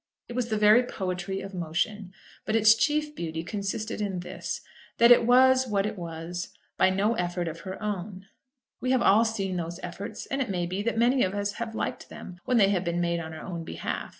It was the very poetry of motion; but its chief beauty consisted in this, that it was what it was by no effort of her own. We have all seen those efforts, and it may be that many of us have liked them when they have been made on our own behalf.